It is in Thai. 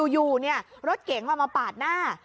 อยู่เนี่ยรถเก๋งมามาปาดหน้า